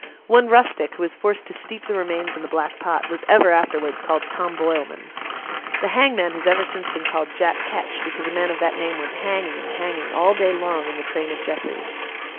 One rustic, who was forced to steep the remains in the black pot, was ever afterwards called 'Tom Boilman.' The hangman has ever since been called Jack Ketch, because a man of that name went hanging and hanging, all day long, in the train of Jeffreys.